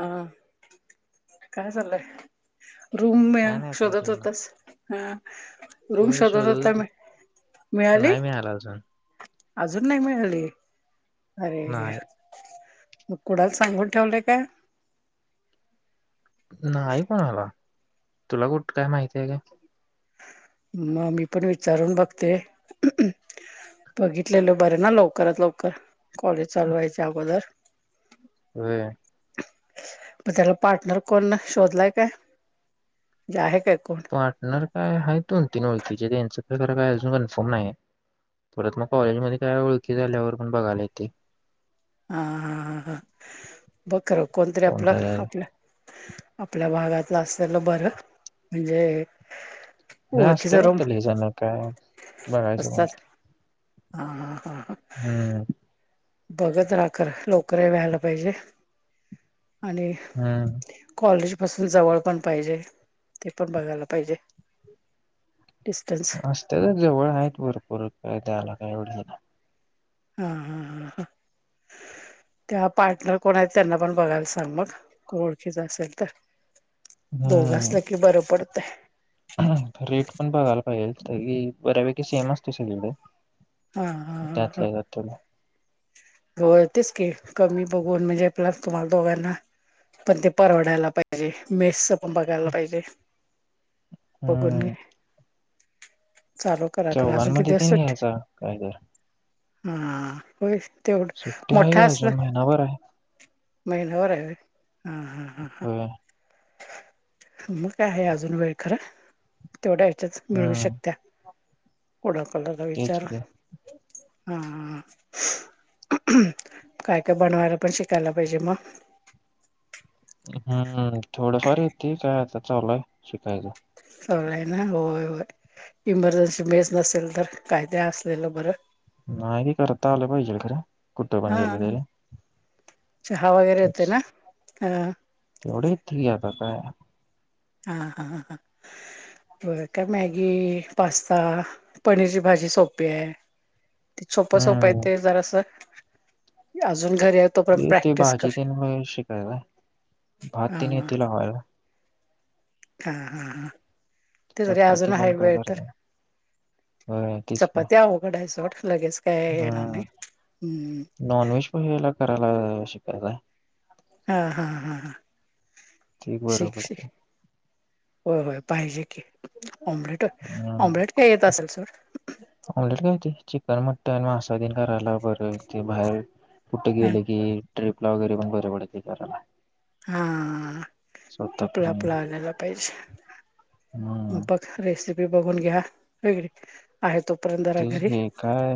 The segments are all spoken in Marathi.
हा काय चाललंय? रूम मीया काय नाही पाहिजे शोधत होणार होतास ह रूम होय शोधत होता होतो मी. मिळाली नाही मी आला अजून अजून नाही मिळली अरे या नाही मग कुणाला सांगून ठेवलंय का? नाही कोणाला तुला कुठ काय माहिती आहे कय? म मी पण विचारून बघते. बघितलेलं बरं ना, लवकरात लवकर कॉलेज चालवायच्या अगोदर. व्हय. मग त्याला पार्टनर कोण शोधलाय काय जे आहे काय? कोण पार्टनर काय आहे दोन तीन ओळखीचे त्यांचं तर काय अजून कन्फर्म नाही. परत मग कॉलेज मध्ये काय ओळखी झाल्यावर पण बघायला येते. हा हा हा हा बघ कोणतरी कोण आपलं काय आहे. आपल्या आपल्या भागात असलेलं बरं म्हणजे असते ओळखीचं रूम वाडत लयी जणं काय बघायचं मग. असतात हा हा हा हम्म. बघत रा खर लवकर व्हायला पाहिजे. आणि हम्म कॉलेज पासून जवळ पण पाहिजे ते पण बघायला पाहिजे. डिस्टन्स असत तर जवळ आहेत भरपूर काय द्यायला काय एवढ नाही. हा हा हा ह. त्या पार्टनर कोण आहेत त्यांना पण बघायला सांग मग कोण ओळखीच असेल तर दोघ हम्म असलं की बरं पडतय. रेट पण बघायला पाहिजे तरी बऱ्यापैकी सेम असतोय सगळीकड हा हा ह त्यातलं त्यात थोडं. होय तेच की कमी बघून म्हणजे आपला तुम्हाला दोघांना पण ते परवडायला पाहिजे मेसच पण बघायला पाहिजे. बघून हम्म म चालू करा खर अजून किती चौघांमध्ये दिवस ते सुट्टी घ्यायचा काय तर हा हा होय. तेवढं सुट्टी आहे मोठा का असला अजून महिनाभर आहे महिना भर आहे होय हा हा हा हा. होय मग काय आहे अजून वेळ खरं तेवढ्या ह्यच्यात मिळू हम्म शकतिया. कुडाकलर तेच विचार की हां ह [unintelligible] काय काय बनवायला पण शिकायला पाहिजे मग हम्म थोडफार येते काय आता चालूय शिकायचं. चालु हाय ना होय होय. इमर्जन्सी मेस नसेल तर काय तरी असलेलं बरं. नाही करता आलं पाहिजे खरं. कुठं पण हा गेलं तरी चहा वगैरे येतोय ना हा तेवढ येतंय की आता काय. हा हा हा हा. होय काय मॅगी, पास्ता, पनीरची भाजी सोपी आहे. सोपं सोपं आहे हम्म ते जरास अज अजून घरी आहे तो पर्यंत ते ते प्रॅक्टिस भाजी कर, तेन वगैरे शिकायला भात तेन हं येते लावायला हा हा हा ते जरी चपाती अजून पण आहे काय वेळ तर करता होय तेच की चपाती अवघड हाय सोड लगेच काय येणार नाही. हम्म नॉन व्हेज पहिला करायला शिकायचंय. हा हा हा हा ते बरं शिक पडते शिक. होय होय पाहिजे. की ऑम्लेट हा ऑम्लेट काय येत असेल सोड ऑमलेट काय होतय चिकन म टन मास तेन करायला बर ते बाहेर कुठ ह गेले की ट्रिप ला वगैरे पण बर पडतय करायला. हा स्वतः आपला करून आपला आलेला पाहिजे. हम्म बघ रेसिपी बघून घ्या वेगळी आहे तो तेच कि काय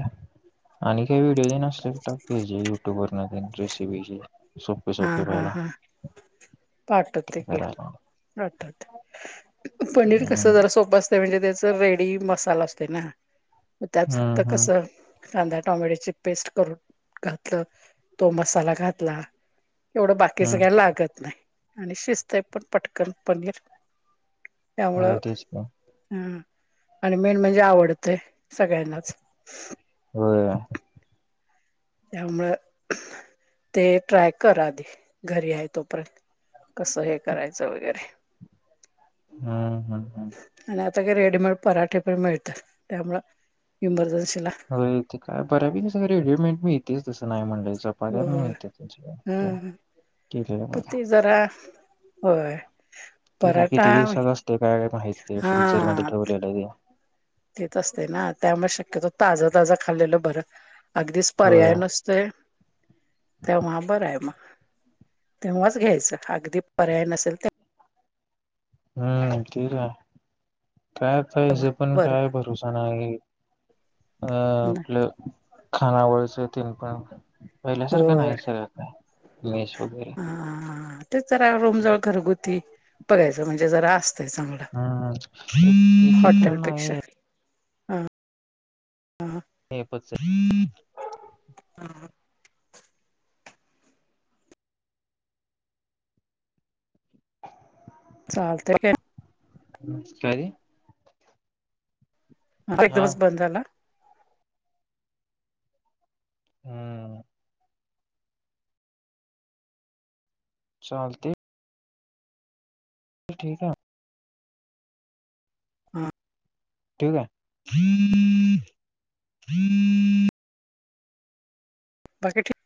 आणि काही व्हिडिओ तेन असले तर युट्यूब वर न रेसिपीचे. सोपे हा सोपे हा पहिला. हा पाठवते काय की करायला पाठवते. पनीर हम्म कस जरा सोप असतय म्हणजे ते च रेडी मसाला असतोय ना म त्यात हम्म फक्त हम्म कसं कांदा, टॉमॅटोची पेस्ट करून घातलं तो मसाला घातला एवढं बाकीचं हम्म काही लागत नाही आणि शिजतय पण पटकन पनीर त्यामुळं होय तेच की हम्म आणि मेन म्हणजे आवडतय सगळ्यांनाच होय. त्यामुळं ते ट्राय करा आधी घरी आहे तोपर्यंत कसं हे करायचं वगैरे हम्म हम्म हम्म. ते काय रेडीमेड पराठे पण मिळत त्यामुळं इमर्जन्सी होय ते काय बऱ्यापैकी सगळं रेडीमेड मिळतच तसं नाय म्हणलंय होय ह पण ते जरा होय [unintelligible] पराठा किती दिवसाच असते काय हे माहित फ्रीझर मध्ये हा ठेवलेलं हे तेच असते ना त्यामुळे शक्यतो ताज ताजं खाल्लेलं बरं अगदीज होय पर्याय नसते तेव्हा बरं आहे मग तेव्हाच घ्यायचं अगदी पर्याय नसेल तेव्हा हम्म ठीक आहे काय पाहिजे पण काय बरं भरोसा नाही अ नाही. आपलं खानावळच तन पण पहिल्यासारखं नाहीच आहे आता हा हा तेच जरा रुमजवळ घरगुती बघायच म्हणजे जरा अस हा इथे खर नाही हा हा. [inaudible] चालते काय हम्म सॉरी हा एकदमच बंद झाला हम्म. चालय ठीक आहे. हम्म. ठीक आहे बाकी ठीक